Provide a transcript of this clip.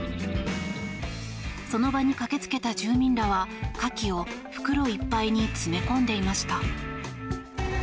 その場に駆け付けた住民らはカキを袋いっぱいに詰め込んでいました。